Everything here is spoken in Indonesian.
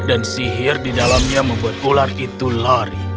dan sihir di dalamnya membuat ular itu lari